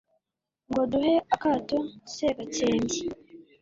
Ngo duhe akato segatsembyi